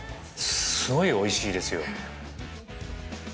すごいおいしいですよ。